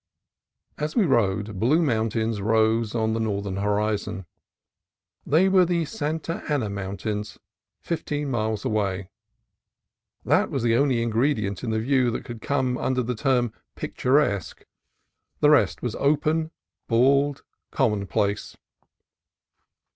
As we rode, blue mountains rose on the northern horizon. They were the Santa Ana Mountains, fifteen miles away. That was the only ingredient in the view that could come under the term "pic turesque": the rest was open, bald, commonplace.